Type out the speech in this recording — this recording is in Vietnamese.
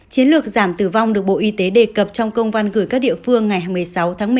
chiến lược giảm tử vong được bộ y tế đề cập trong công văn gửi các địa phương ngày hai mươi sáu tháng một mươi